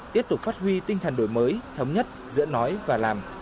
tiếp tục phát huy tinh thần đổi mới thống nhất giữa nói và làm